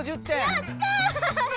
やった！